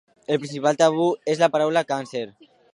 El principal tabú és la paraula càncer.